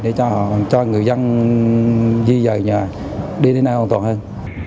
để cho người dân di về nhà đi đến nơi an toàn hơn